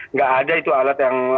nggak ada itu alat yang bisa diinfo